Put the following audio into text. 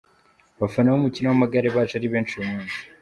Abafana b'umucyino w'amagare baje ari benshi uyu munsi.